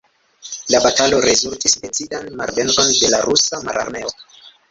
La batalo rezultis decidan malvenkon de la Rusa Mararmeo.